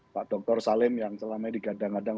pak dr salim yang selama ini di gandang